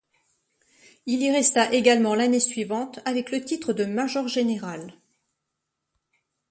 Il y resta également l'année suivante, avec le titre de major-général.